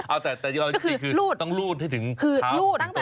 อ้าวแต่เราต้องรูดให้ถึงเท้าสิงห์โตใช่ไหม